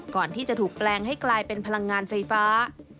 ก่อนที่จะถูกแปลงให้กลายเป็นพลังงานไฟฟ้า